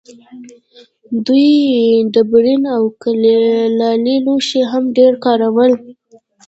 دوی ډبرین او کلالي لوښي هم ډېر کارول.